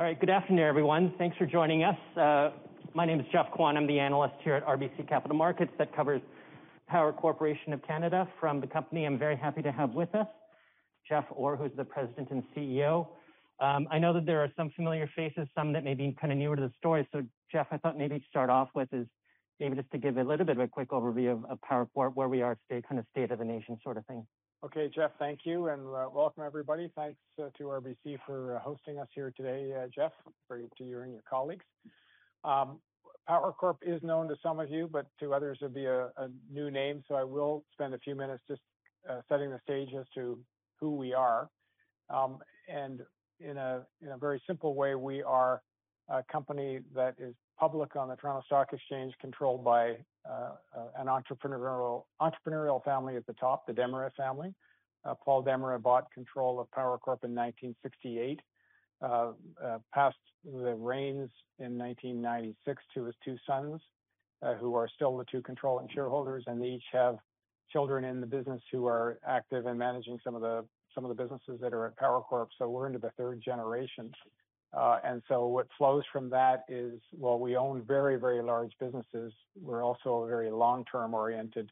All right, good afternoon, everyone. Thanks for joining us. My name is Geoff Kwan. I'm the analyst here at RBC Capital Markets that covers Power Corporation of Canada. From the company, I'm very happy to have with us, Jeff Orr, who's the President and CEO. I know that there are some familiar faces, some that may be kind of newer to the story. So, Jeff, I thought maybe to start off with is maybe just to give a little bit of a quick overview of Power Corporation, where we are today, kind of state of the nation sort of thing. Okay, Geoff, thank you and welcome, everybody. Thanks to RBC for hosting us here today, Geoff, for you and your colleagues. Power Corporation is known to some of you, but to others it'll be a new name. So I will spend a few minutes just setting the stage as to who we are, and in a very simple way, we are a company that is public on the Toronto Stock Exchange, controlled by an entrepreneurial family at the top, the Desmarais family. Paul Desmarais bought control of Power Corporation in 1968, passed the reins in 1996 to his two sons, who are still the two controlling shareholders, and they each have children in the business who are active in managing some of the businesses that are at Power Corporation, so we're into the third generation. And so what flows from that is, while we own very, very large businesses, we're also a very long-term oriented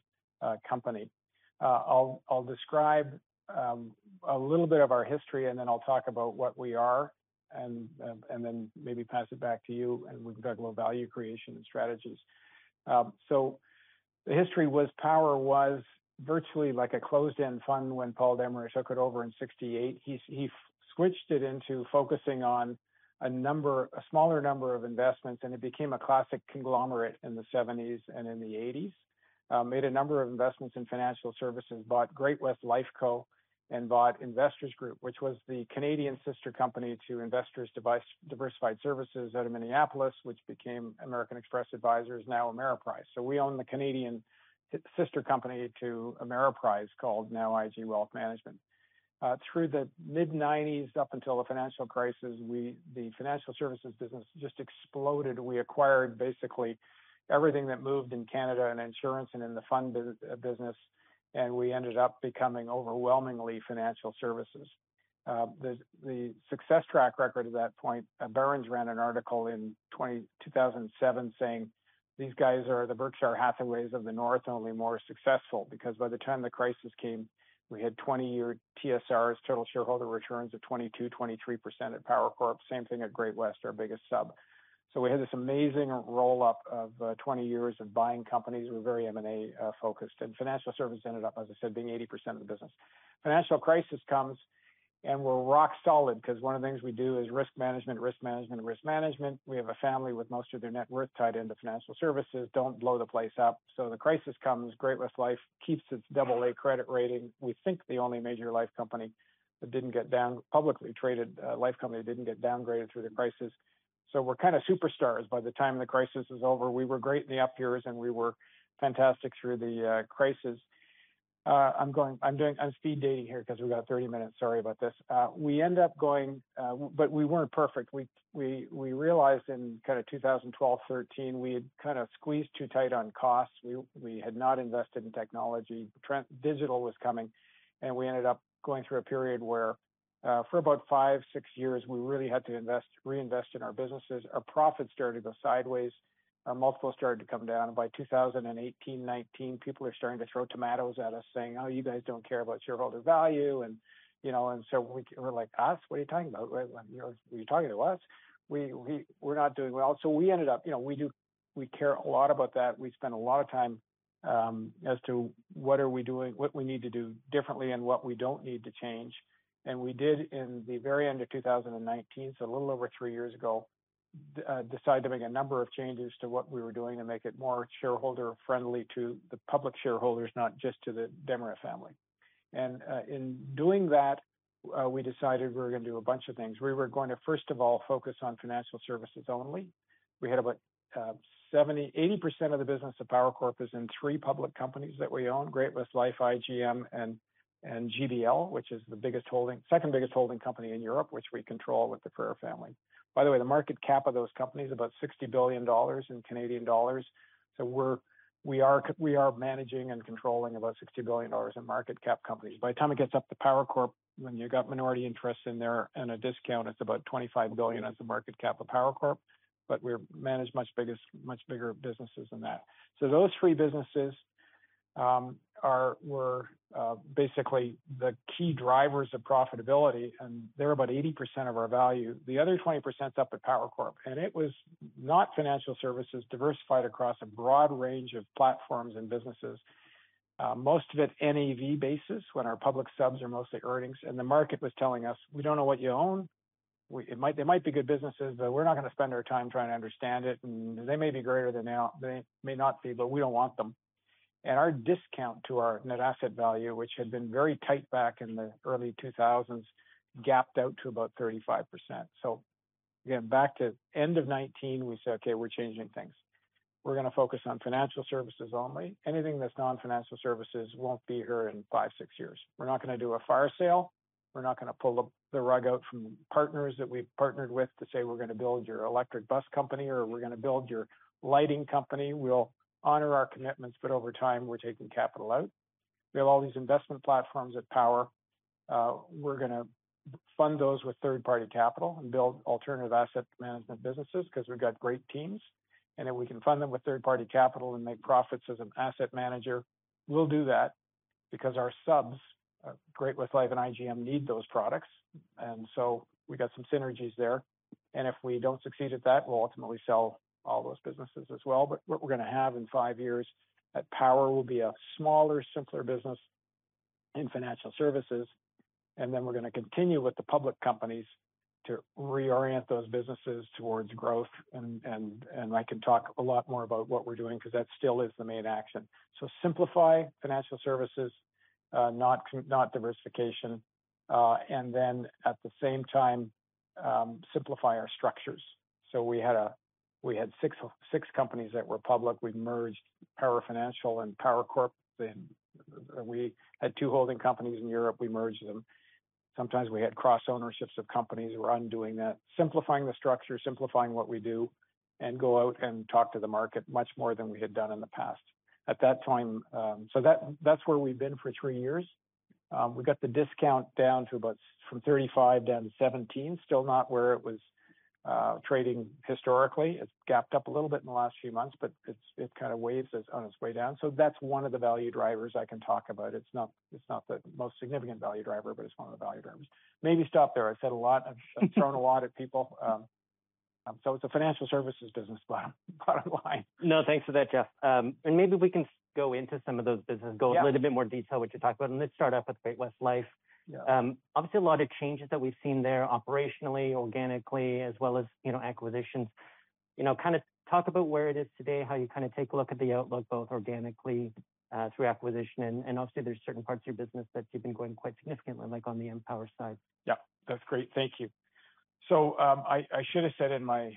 company. I'll describe a little bit of our history, and then I'll talk about what we are, and then maybe pass it back to you, and we'll talk about value creation and strategies. So the history was Power was virtually like a closed-end fund when Paul Desmarais took it over in 1968. He switched it into focusing on a smaller number of investments, and it became a classic conglomerate in the 1970s and in the 1980s. Made a number of investments in financial services, bought Great-West Lifeco, and bought Investors Group, which was the Canadian sister company to Investors Diversified Services out of Minneapolis, which became American Express Advisors, now Ameriprise. So we own the Canadian sister company to Ameriprise, called now IG Wealth Management. Through the mid-1990s up until the financial crisis, the financial services business just exploded. We acquired basically everything that moved in Canada and insurance and in the fund business, and we ended up becoming overwhelmingly financial services. The success track record at that point, Barron's ran an article in 2007 saying, "These guys are the Berkshire Hathaways of the north, only more successful," because by the time the crisis came, we had 20-year TSRs, total shareholder returns of 22%-23% at Power Corporation, same thing at Great-West, our biggest sub. So we had this amazing roll-up of 20 years of buying companies who were very M&A focused, and financial services ended up, as I said, being 80% of the business. Financial crisis comes, and we're rock solid because one of the things we do is risk management, risk management, risk management. We have a family with most of their net worth tied into financial services. Don't blow the place up. So the crisis comes, Great-West Lifeco keeps its AA credit rating. We think the only major life company that didn't get publicly traded, life company that didn't get downgraded through the crisis. So we're kind of superstars by the time the crisis is over. We were great in the upheavals, and we were fantastic through the crisis. I'm speed dating here because we've got 30 minutes. Sorry about this. We end up going, but we weren't perfect. We realized in kind of 2012, 2013, we had kind of squeezed too tight on costs. We had not invested in technology. Digital was coming, and we ended up going through a period where for about five, six years, we really had to reinvest in our businesses. Our profits started to go sideways. Our multiple started to come down. By 2018, 2019, people were starting to throw tomatoes at us saying, "Oh, you guys don't care about shareholder value." And so we're like, "Us, what are you talking about? Are you talking to us? We're not doing well." So we ended up, you know, we care a lot about that. We spent a lot of time as to what are we doing, what we need to do differently, and what we don't need to change. And we did, in the very end of 2019, so a little over three years ago, decide to make a number of changes to what we were doing to make it more shareholder friendly to the public shareholders, not just to the Desmarais family. And in doing that, we decided we were going to do a bunch of things. We were going to, first of all, focus on financial services only. We had about 80% of the business of Power Corporation is in three public companies that we own: Great-West Lifeco, IGM, and GBL, which is the biggest holding, second biggest holding company in Europe, which we control with the Frère family. By the way, the market cap of those companies is about 60 billion dollars. So we are managing and controlling about 60 billion dollars in market cap companies. By the time it gets up to Power Corporation, when you've got minority interests in there and a discount, it's about 25 billion as the market cap of Power Corporation, but we manage much bigger businesses than that. So those three businesses were basically the key drivers of profitability, and they're about 80% of our value. The other 20% is up at Power Corporation, and it was not financial services, diversified across a broad range of platforms and businesses, most of it NAV basis when our public subs are mostly earnings. The market was telling us, "We don't know what you own. They might be good businesses, but we're not going to spend our time trying to understand it, and they may be greater than they may not be, but we don't want them." Our discount to our net asset value, which had been very tight back in the early 2000s, gapped out to about 35%. Back to end of 2019, we said, "Okay, we're changing things. We're going to focus on financial services only. Anything that's non-financial services won't be here in five, six years. We're not going to do a fire sale. We're not going to pull the rug out from partners that we've partnered with to say we're going to build your electric bus company or we're going to build your lighting company. We'll honor our commitments, but over time, we're taking capital out." We have all these investment platforms at Power. We're going to fund those with third-party capital and build alternative asset management businesses because we've got great teams, and if we can fund them with third-party capital and make profits as an asset manager, we'll do that because our subs, Great-West Life and IGM, need those products. And so we got some synergies there. And if we don't succeed at that, we'll ultimately sell all those businesses as well. But what we're going to have in five years at Power will be a smaller, simpler business in financial services. And then we're going to continue with the public companies to reorient those businesses towards growth. And I can talk a lot more about what we're doing because that still is the main action. So simplify financial services, not diversification, and then at the same time, simplify our structures. So we had six companies that were public. We merged Power Financial and Power Corporation. We had two holding companies in Europe. We merged them. Sometimes we had cross-ownerships of companies. We're undoing that, simplifying the structure, simplifying what we do, and go out and talk to the market much more than we had done in the past. At that time, so that's where we've been for three years. We got the discount down to about from 35% down to 17%, still not where it was trading historically. It's gapped up a little bit in the last few months, but it kind of waves on its way down. So that's one of the value drivers I can talk about. It's not the most significant value driver, but it's one of the value drivers. Maybe stop there. I've said a lot. I've thrown a lot at people. So it's a financial services business, bottom line. No, thanks for that, Jeff. And maybe we can go into some of those businesses, go a little bit more detail what you're talking about. And let's start off with Great-West Lifeco. Obviously, a lot of changes that we've seen there operationally, organically, as well as acquisitions. You know, kind of talk about where it is today, how you kind of take a look at the outlook both organically through acquisition, and obviously there's certain parts of your business that you've been going quite significantly, like on the Empower side. Yeah, that's great. Thank you. So I should have said in my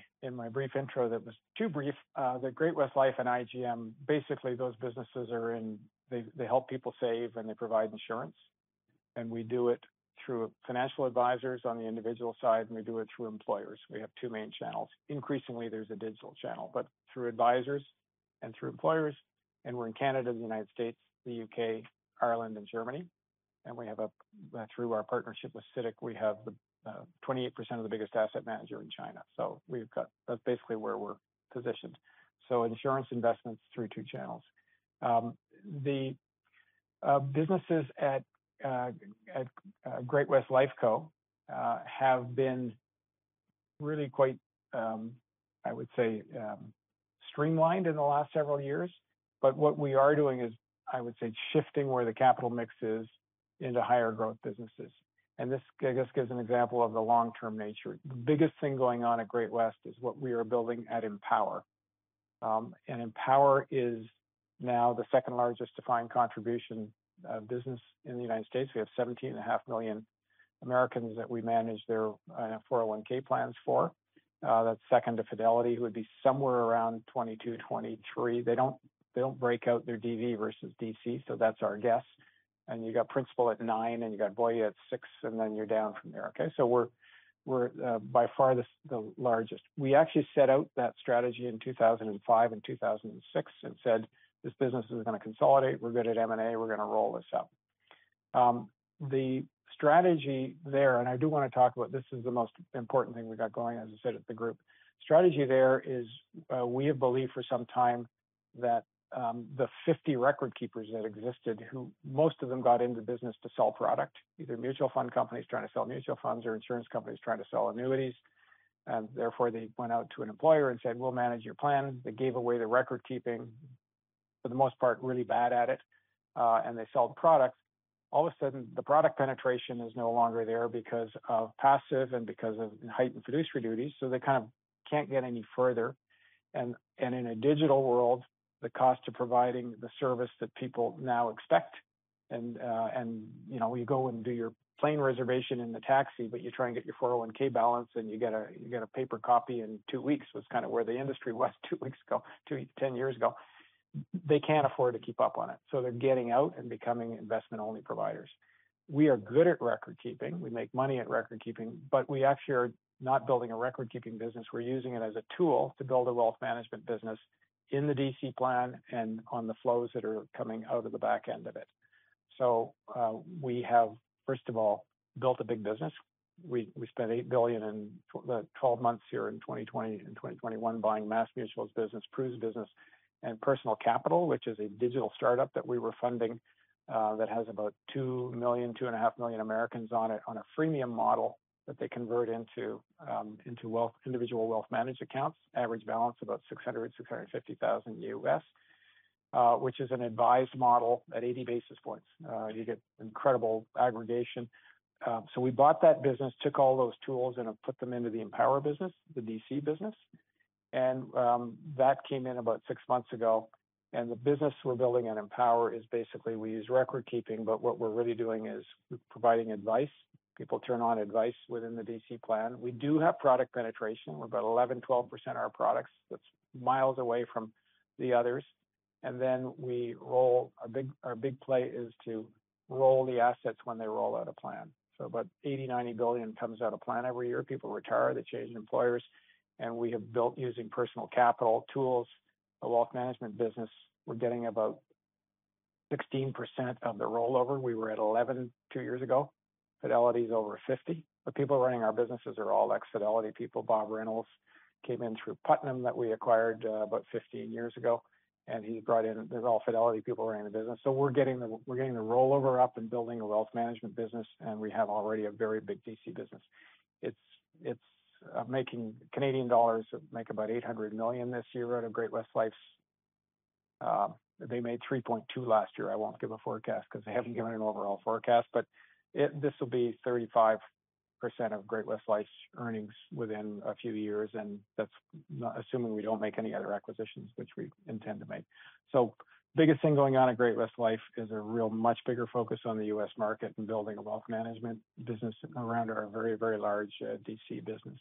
brief intro that was too brief that Great-West Lifeco and IGM, basically those businesses are in, they help people save and they provide insurance. And we do it through financial advisors on the individual side, and we do it through employers. We have two main channels. Increasingly, there's a digital channel, but through advisors and through employers. And we're in Canada, the United States, the U.K., Ireland, and Germany. And we have a, through our partnership with CITIC, we have 28% of the biggest asset manager in China. So we've got, that's basically where we're positioned. So insurance investments through two channels. The businesses at Great-West Lifeco have been really quite, I would say, streamlined in the last several years. But what we are doing is, I would say, shifting where the capital mix is into higher growth businesses. And this just gives an example of the long-term nature. The biggest thing going on at Great-West is what we are building at Empower. And Empower is now the second largest defined contribution business in the United States. We have 17.5 million Americans that we manage their 401(k) plans for. That's second to Fidelity, who would be somewhere around 22-23. They don't break out their DB versus DC, so that's our guess. And you got Principal at nine, and you got Voya at six, and then you're down from there. Okay, so we're by far the largest. We actually set out that strategy in 2005 and 2006 and said, "This business is going to consolidate. We're good at M&A. We're going to roll this up." The strategy there, and I do want to talk about this. This is the most important thing we've got going, as I said, at the group. The strategy there is we have believed for some time that the 50 record keepers that existed. Most of them got into business to sell product, either mutual fund companies trying to sell mutual funds or insurance companies trying to sell annuities. And therefore, they went out to an employer and said, "We'll manage your plan." They gave away the record keeping, for the most part, really bad at it, and they sell the product. All of a sudden, the product penetration is no longer there because of passive and because of heightened fiduciary duties. So they kind of can't get any further. In a digital world, the cost of providing the service that people now expect, and you go and do your plane reservation in the taxi, but you're trying to get your 401(k) balance and you get a paper copy in two weeks, was kind of where the industry was two weeks ago, 10 years ago. They can't afford to keep up on it, so they're getting out and becoming investment-only providers. We are good at record keeping. We make money at record keeping, but we actually are not building a record keeping business. We're using it as a tool to build a wealth management business in the DC plan and on the flows that are coming out of the back end of it, so we have, first of all, built a big business. We spent $8 billion in the 12 months here in 2020 and 2021 buying MassMutual's business, Pru's business, and Personal Capital, which is a digital startup that we were funding that has about 2 million-2.5 million Americans on it on a freemium model that they convert into individual wealth managed accounts, average balance about $600,000-$650,000, which is an advised model at 80 basis points. You get incredible aggregation, so we bought that business, took all those tools, and have put them into the Empower business, the DC business, and that came in about six months ago, and the business we're building at Empower is basically we use record keeping, but what we're really doing is providing advice. People turn on advice within the DC plan. We do have product penetration. We're about 11%-12% of our products. That's miles away from the others. And then we roll. Our big play is to roll the assets when they roll out of a plan. So about $80-$90 billion comes out of plan every year. People retire; they change employers. And we have built, using Personal Capital tools, a wealth management business. We're getting about 16% of the rollover. We were at 11% two years ago. Fidelity is over 50%. But people running our businesses are all ex-Fidelity people. Bob Reynolds came in through Putnam that we acquired about 15 years ago. And he's brought in; they're all Fidelity people running the business. So we're getting the rollover up and building a wealth management business, and we have already a very big DC business. It's making, in Canadian dollars, about 800 million this year out of Great-West Lifeco. They made 3.2 billion last year. I won't give a forecast because they haven't given an overall forecast, but this will be 35% of Great-West Life's earnings within a few years. And that's assuming we don't make any other acquisitions, which we intend to make. So the biggest thing going on at Great-West Life is a real much bigger focus on the U.S. market and building a wealth management business around our very, very large DC business.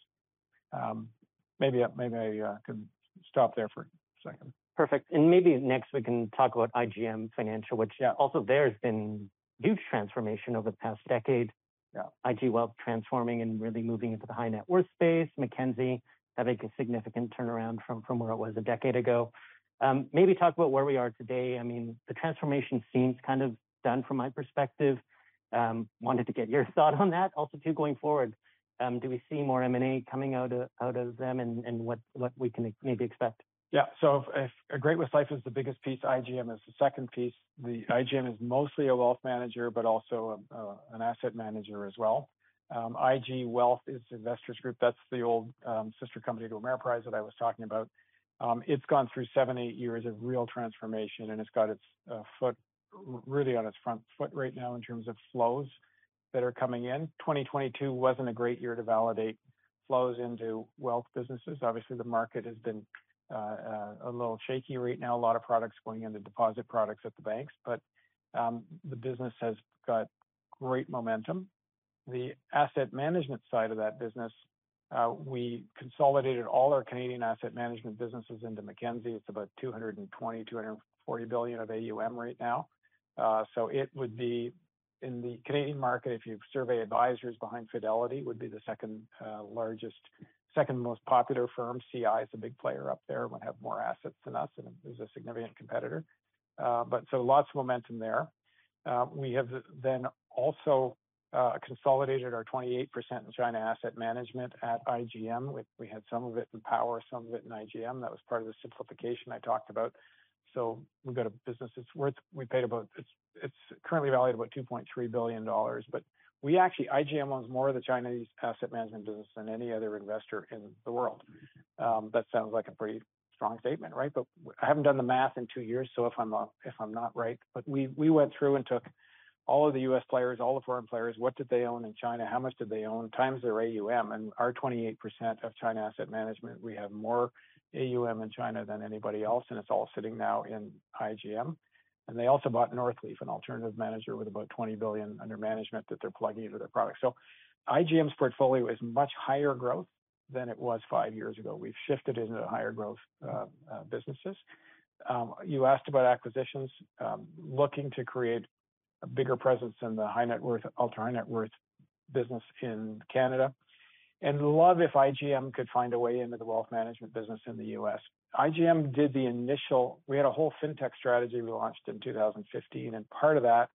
Maybe I can stop there for a second. Perfect. And maybe next we can talk about IGM Financial, which also there has been huge transformation over the past decade. IG Wealth transforming and really moving into the high net worth space. Mackenzie having a significant turnaround from where it was a decade ago. Maybe talk about where we are today. I mean, the transformation seems kind of done from my perspective. Wanted to get your thought on that also too going forward. Do we see more M&A coming out of them and what we can maybe expect? Yeah. So if Great-West Life is the biggest piece, IGM is the second piece. The IGM is mostly a wealth manager, but also an asset manager as well. IG Wealth is Investors Group. That's the old sister company to Ameriprise that I was talking about. It's gone through seven, eight years of real transformation, and it's got its foot really on its front foot right now in terms of flows that are coming in. 2022 wasn't a great year to validate flows into wealth businesses. Obviously, the market has been a little shaky right now. A lot of products going into deposit products at the banks, but the business has got great momentum. The asset management side of that business, we consolidated all our Canadian asset management businesses into Mackenzie. It's about 220-240 billion of AUM right now. So it would be in the Canadian market. If you survey advisors behind Fidelity, would be the second largest, second most popular firm. CI is a big player up there and would have more assets than us, and it is a significant competitor. But so lots of momentum there. We have then also consolidated our 28% in China Asset Management at IGM. We had some of it in Power, some of it in IGM. That was part of the simplification I talked about. So we've got a business that's worth. We paid about. It's currently valued about $2.3 billion, but we actually, IGM owns more of the Chinese asset management business than any other investor in the world. That sounds like a pretty strong statement, right? But I haven't done the math in two years, so if I'm not right, but we went through and took all of the U.S. players, all the foreign players, what did they own in China, how much did they own, times their AUM. And our 28% of China Asset Management, we have more AUM in China than anybody else, and it's all sitting now in IGM. And they also bought Northleaf, an alternative manager with about 20 billion under management that they're plugging into their product. So IGM's portfolio is much higher growth than it was five years ago. We've shifted into higher growth businesses. You asked about acquisitions, looking to create a bigger presence in the high net worth, ultra high net worth business in Canada. And love if IGM could find a way into the wealth management business in the U.S. IGM did the initial. We had a whole fintech strategy we launched in 2015, and part of that,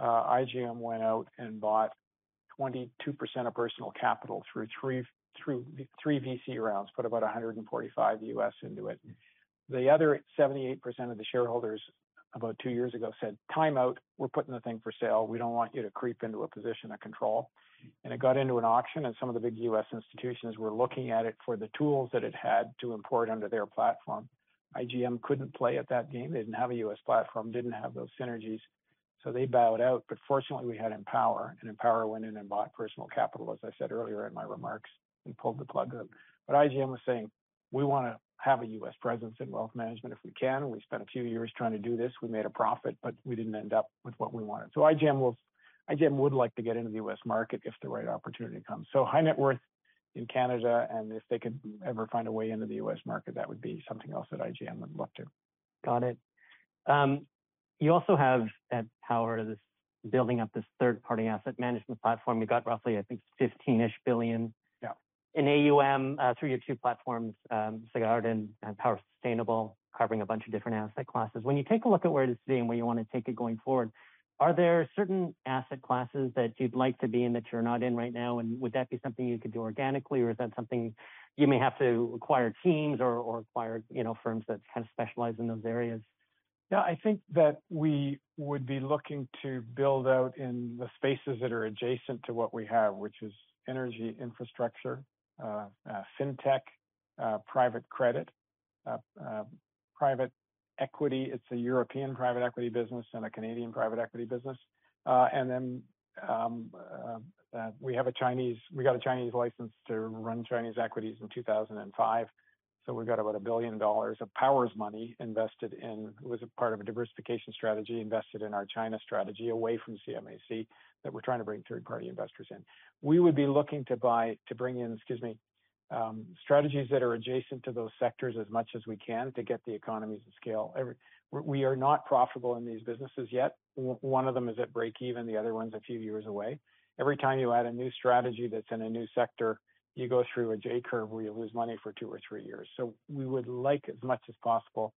IGM went out and bought 22% of Personal Capital through three VC rounds, put about $145 million into it. The other 78% of the shareholders about two years ago said, "Time out. We're putting the thing for sale. We don't want you to creep into a position of control." And it got into an auction, and some of the big U.S. institutions were looking at it for the tools that it had to import under their platform. IGM couldn't play at that game. They didn't have a U.S. platform, didn't have those synergies. So they bowed out, but fortunately we had Empower, and Empower went in and bought Personal Capital, as I said earlier in my remarks, and pulled the plug. But IGM was saying, "We want to have a U.S. presence in wealth management if we can. We spent a few years trying to do this. We made a profit, but we didn't end up with what we wanted." So IGM would like to get into the U.S. market if the right opportunity comes. So high net worth in Canada, and if they could ever find a way into the U.S. market, that would be something else that IGM would look to. Got it. You also have at Power this building up this third-party asset management platform. You got roughly, I think, 15-ish billion in AUM through your two platforms, Sagard and Power Sustainable, covering a bunch of different asset classes. When you take a look at where it is today and where you want to take it going forward, are there certain asset classes that you'd like to be in that you're not in right now? And would that be something you could do organically, or is that something you may have to acquire teams or acquire firms that kind of specialize in those areas? Yeah, I think that we would be looking to build out in the spaces that are adjacent to what we have, which is energy infrastructure, fintech, private credit, private equity. It's a European private equity business and a Canadian private equity business. And then we have a Chinese, we got a Chinese license to run Chinese equities in 2005. So we've got about $1 billion of Power's money invested in, it was a part of a diversification strategy invested in our China strategy away from CMAC that we're trying to bring third-party investors in. We would be looking to buy, to bring in, excuse me, strategies that are adjacent to those sectors as much as we can to get the economies of scale. We are not profitable in these businesses yet. One of them is at break-even. The other one's a few years away. Every time you add a new strategy that's in a new sector, you go through a J-curve where you lose money for two or three years. So we would like as much as possible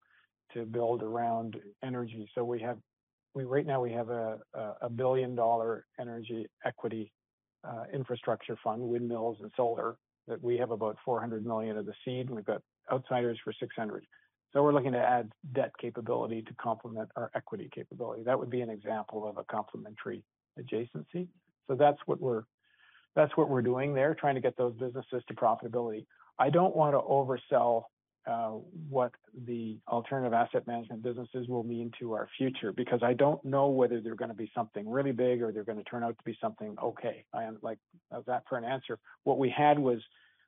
to build around energy. So we have, right now we have a $1 billion energy equity infrastructure fund, windmills and solar that we have about $400 million of the seed. We've got outsiders for $600 million. So we're looking to add debt capability to complement our equity capability. That would be an example of a complementary adjacency. So that's what we're doing there, trying to get those businesses to profitability. I don't want to oversell what the alternative asset management businesses will mean to our future because I don't know whether they're going to be something really big or they're going to turn out to be something okay. I am like, that's not a fair answer. What we had was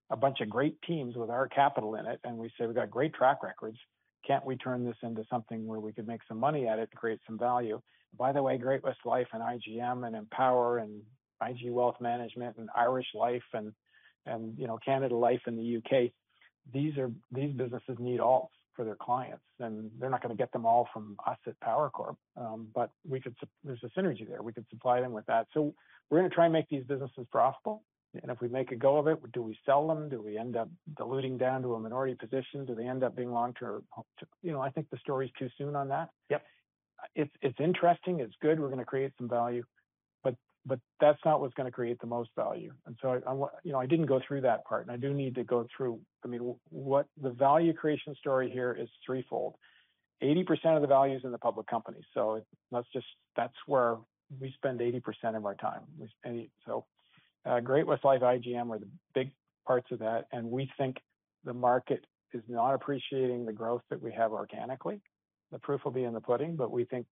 a bunch of great teams with our capital in it, and we said, "We've got great track records. Can't we turn this into something where we could make some money at it, create some value?" By the way, Great-West Life and IGM and Empower and IG Wealth Management and Irish Life and Canada Life in the UK, these businesses need all for their clients, and they're not going to get them all from us at Power Corp, but there's a synergy there. We could supply them with that. So we're going to try and make these businesses profitable. And if we make a go of it, do we sell them? Do we end up diluting down to a minority position? Do they end up being long-term? You know, I think the story's too soon on that. Yep. It's interesting. It's good. We're going to create some value, but that's not what's going to create the most value. And so I didn't go through that part, and I do need to go through. I mean, what the value creation story here is threefold. 80% of the value is in the public companies. So that's where we spend 80% of our time. So Great-West Lifeco IGM are the big parts of that, and we think the market is not appreciating the growth that we have organically. The proof will be in the pudding, but we think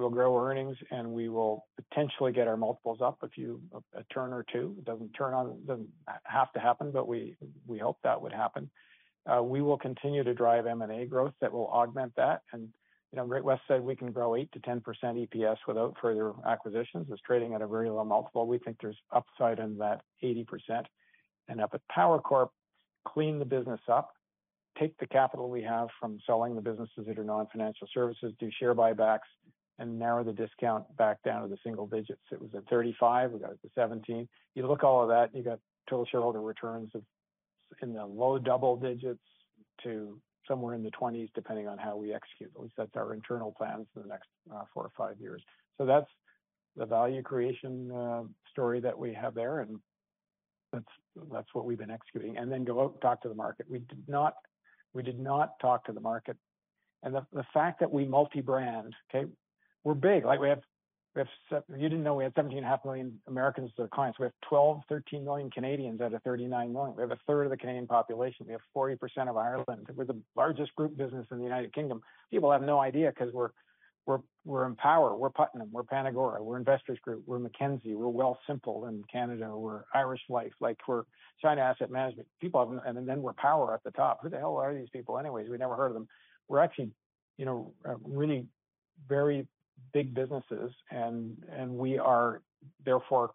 we'll grow earnings and we will potentially get our multiples up a turn or two. It doesn't have to happen, but we hope that would happen. We will continue to drive M&A growth that will augment that. And Great-West Lifeco said we can grow 8%-10% EPS without further acquisitions. It's trading at a very low multiple. We think there's upside in that 80%, and up at Power Corp, clean the business up, take the capital we have from selling the businesses that are non-financial services, do share buybacks, and narrow the discount back down to the single digits. It was at 35. We got it to 17. You look at all of that, you got total shareholder returns in the low double digits to somewhere in the 20s, depending on how we execute. At least that's our internal plans for the next four or five years, so that's the value creation story that we have there, and that's what we've been executing, and then go out and talk to the market. We did not talk to the market, and the fact that we multi-brand, okay, we're big. Like we have, you didn't know we had 17.5 million Americans as our clients. We have 12-13 million Canadians out of 39 million. We have a third of the Canadian population. We have 40% of Ireland. We're the largest group business in the United Kingdom. People have no idea because we're Empower, we're Putnam, we're PanAgora, we're Investors Group, we're Mackenzie, we're Wealthsimple in Canada, we're Irish Life, like we're China Asset Management. People have, and then we're Power at the top. Who the hell are these people anyways? We never heard of them. We're actually really very big businesses, and we are therefore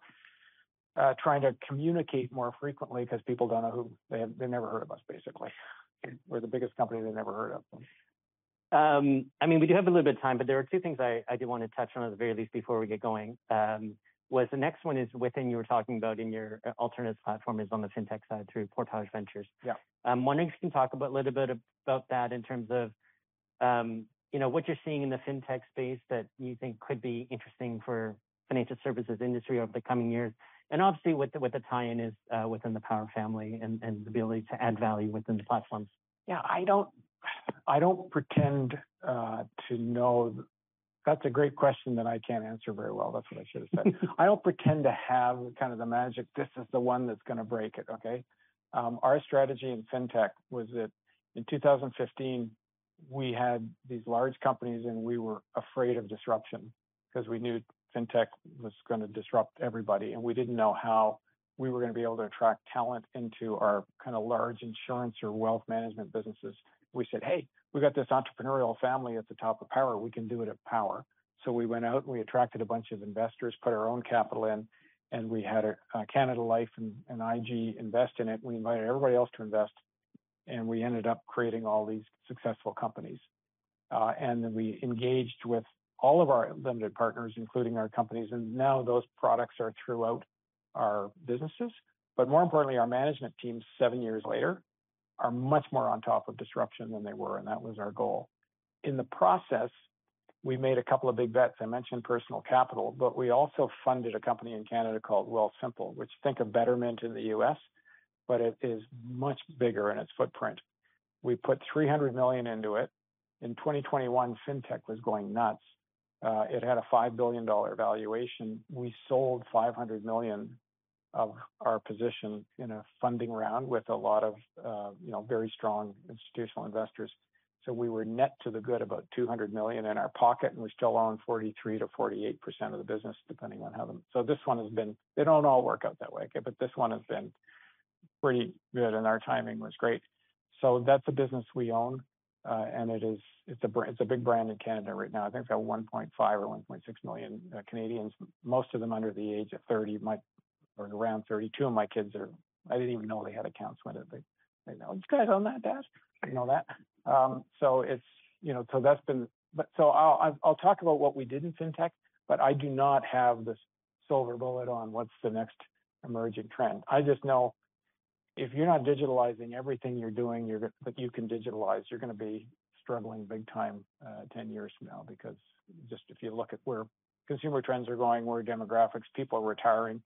trying to communicate more frequently because people don't know who they have. They've never heard of us, basically. We're the biggest company they've never heard of. I mean, we do have a little bit of time, but there are two things I do want to touch on at the very least before we get going. The next one is, when you were talking about in your alternative platform, is on the fintech side through Portage Ventures. I'm wondering if you can talk a little bit about that in terms of what you're seeing in the fintech space that you think could be interesting for the financial services industry over the coming years. And obviously, the tie-in is within the Power family and the ability to add value within the platforms. Yeah, I don't pretend to know. That's a great question that I can't answer very well. That's what I should have said. I don't pretend to have kind of the magic, this is the one that's going to break it, okay? Our strategy in fintech was that in 2015, we had these large companies and we were afraid of disruption because we knew fintech was going to disrupt everybody, and we didn't know how we were going to be able to attract talent into our kind of large insurance or wealth management businesses. We said, "Hey, we've got this entrepreneurial family at the top of Power. We can do it at Power," so we went out and we attracted a bunch of investors, put our own capital in, and we had Canada Life and IG invest in it. We invited everybody else to invest, and we ended up creating all these successful companies. And then we engaged with all of our limited partners, including our companies, and now those products are throughout our businesses. But more importantly, our management teams seven years later are much more on top of disruption than they were, and that was our goal. In the process, we made a couple of big bets. I mentioned Personal Capital, but we also funded a company in Canada called Wealthsimple, which, think of Betterment in the U.S., but it is much bigger in its footprint. We put 300 million into it. In 2021, fintech was going nuts. It had a $5 billion valuation. We sold 500 million of our position in a funding round with a lot of very strong institutional investors. We were net to the good about 200 million in our pocket, and we still own 43%-48% of the business, depending on how the... This one has been, they don't all work out that way, okay? But this one has been pretty good, and our timing was great. That's a business we own, and it's a big brand in Canada right now. I think it's about 1.5-1.6 million Canadians, most of them under the age of 30, or around 30. Two of my kids are, I didn't even know they had accounts with it. These guys aren't that bad. I didn't know that. That's been, but so I'll talk about what we did in fintech, but I do not have the silver bullet on what's the next emerging trend. I just know if you're not digitalizing everything you're doing that you can digitalize, you're going to be struggling big time 10 years from now because just if you look at where consumer trends are going, where demographics, people are retiring,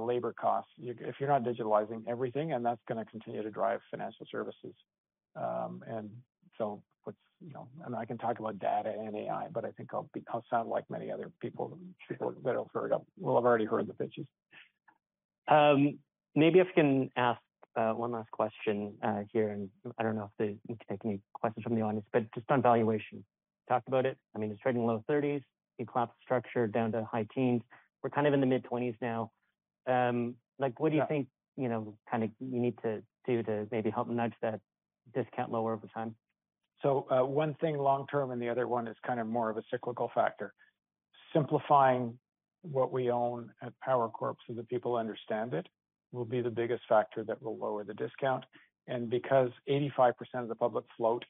labor costs. If you're not digitalizing everything, and that's going to continue to drive financial services. And so what's, and I can talk about data and AI, but I think I'll sound like many other people that have heard up. We'll have already heard the pitches. Maybe if I can ask one last question here, and I don't know if they need to take any questions from the audience, but just on valuation. Talked about it. I mean, it's trading low 30s. You collapsed structure down to high teens. We're kind of in the mid-20s now. Like what do you think kind of you need to do to maybe help nudge that discount lower over time? One thing long-term and the other one is kind of more of a cyclical factor. Simplifying what we own at Power Corp so that people understand it will be the biggest factor that will lower the discount. And because 85% of the public float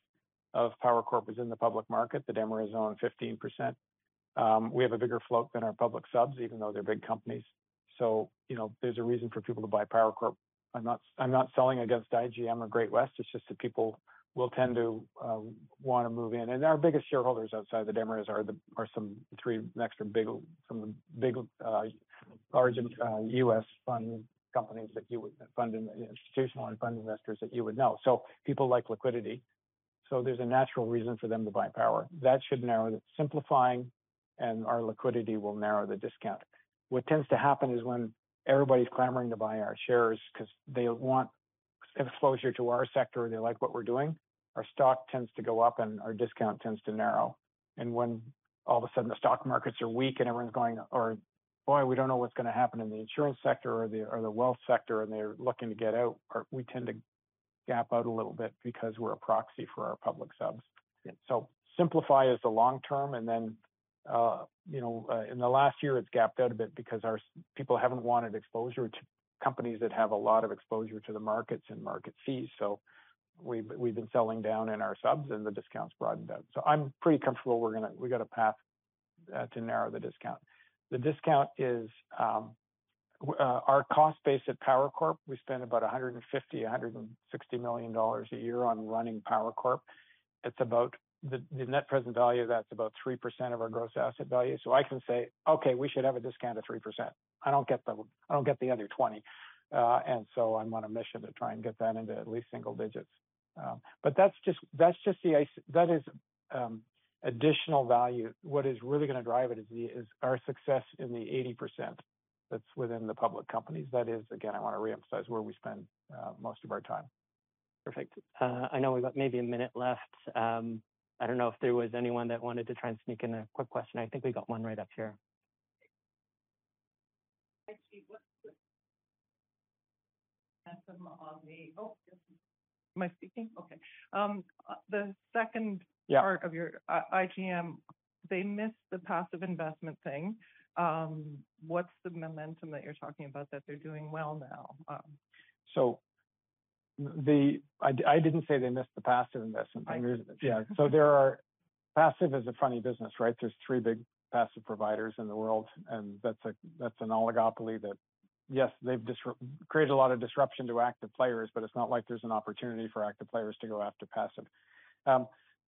of Power Corp is in the public market, the Desmarais own 15%. We have a bigger float than our public subs, even though they're big companies. So there's a reason for people to buy Power Corp. I'm not selling against IGM or Great-West. It's just that people will tend to want to move in. And our biggest shareholders outside of the Desmarais are some three extra big, some of the big large U.S. fund companies that you would fund institutional and fund investors that you would know. So people like liquidity. So there's a natural reason for them to buy Power. That should narrow the simplifying, and our liquidity will narrow the discount. What tends to happen is when everybody's clamoring to buy our shares because they want exposure to our sector, they like what we're doing, our stock tends to go up and our discount tends to narrow. And when all of a sudden the stock markets are weak and everyone's going, "Oh, we don't know what's going to happen in the insurance sector or the wealth sector," and they're looking to get out, we tend to gap out a little bit because we're a proxy for our public subs. So simplify is the long-term. And then in the last year, it's gapped out a bit because our people haven't wanted exposure to companies that have a lot of exposure to the markets and market fees. So we've been selling down in our subs and the discounts broadened out. I'm pretty comfortable we're going to; we've got a path to narrow the discount. The discount is our cost base at Power Corp. We spend about 150 million-160 million dollars a year on running Power Corp. It's about the net present value of that. That's about 3% of our gross asset value. I can say, "Okay, we should have a discount of 3%." I don't get the other 20. I'm on a mission to try and get that into at least single digits. But that's just the; that is additional value. What is really going to drive it is our success in the 80% that's within the public companies. That is, again, I want to reemphasize where we spend most of our time. Perfect. I know we've got maybe a minute left. I don't know if there was anyone that wanted to try and sneak in a quick question. I think we got one right up here. Am I speaking? Okay. The second part of your IGM, they missed the passive investment thing. What's the momentum that you're talking about that they're doing well now? So I didn't say they missed the passive investment thing. Yeah. So there is passive as a funny business, right? There's three big passive providers in the world, and that's an oligopoly that, yes, they've created a lot of disruption to active players, but it's not like there's an opportunity for active players to go after passive.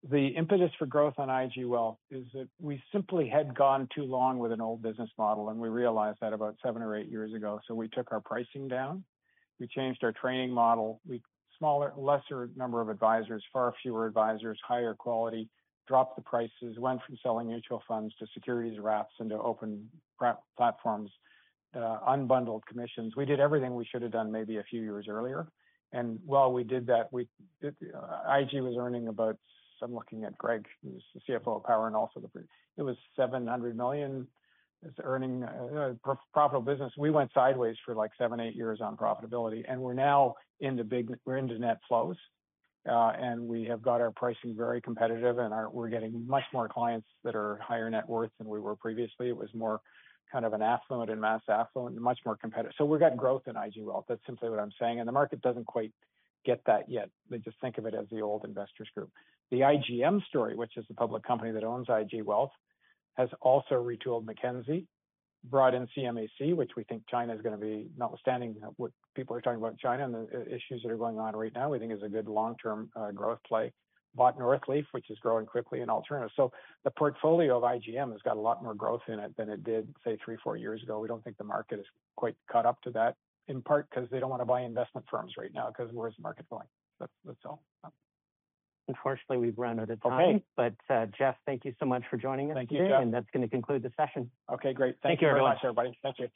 The impetus for growth on IG Wealth is that we simply had gone too long with an old business model, and we realized that about seven or eight years ago. So we took our pricing down. We changed our training model. We had a smaller, lesser number of advisors, far fewer advisors, higher quality, dropped the prices, went from selling mutual funds to securities wraps into open platforms, unbundled commissions. We did everything we should have done maybe a few years earlier. And while we did that, IG was earning about. I'm looking at Greg, who's the CFO of Power and also the. It was 700 million in earnings, profitable business. We went sideways for like seven, eight years on profitability, and we're now into big. We're into net flows, and we have got our pricing very competitive, and we're getting much more clients that are higher net worth than we were previously. It was more kind of an affluent and mass affluent and much more competitive. So we've got growth in IG Wealth. That's simply what I'm saying. And the market doesn't quite get that yet. They just think of it as the old investors group. The IGM story, which is the public company that owns IG Wealth, has also retooled Mackenzie, brought in CMAC, which we think China is going to be notwithstanding what people are talking about in China and the issues that are going on right now, we think is a good long-term growth play. Bought Northleaf, which is growing quickly in alternative. So the portfolio of IGM has got a lot more growth in it than it did, say, three, four years ago. We don't think the market is quite caught up to that in part because they don't want to buy investment firms right now because where's the market going? That's all. Unfortunately, we've run out of time, but Jeff, thank you so much for joining us. Thank you, Geoff. That's going to conclude the session. Okay, great. Thank you very much, everybody. Thanks.